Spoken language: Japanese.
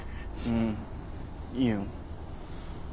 うんいいよ。